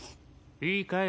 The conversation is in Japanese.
いいかい？